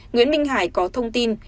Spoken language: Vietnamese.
nguyễn minh hải có thông tin